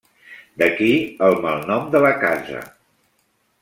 D'aquí el malnom de la casa.